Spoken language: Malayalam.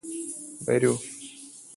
വരൂ